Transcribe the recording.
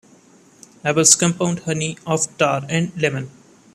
Able's Compound Honey of Tar and Lemon.